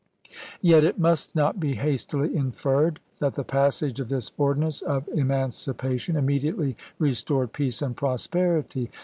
Yet, it must not be hastily inferred that the passage of this ordinance of emancipation immediately re stored peace and prosperity.